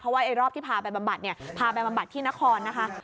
ว่าไอ้รอบที่พาไปบำบัดเนี่ยพาไปบำบัดที่นครนะคะ